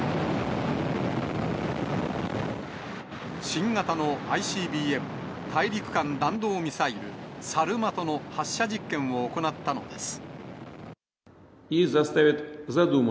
新型のＩＣＢＭ・大陸間弾道ミサイル、サルマトの発射実験を行ったのです。